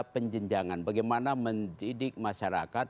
penjenjangan bagaimana mendidik masyarakat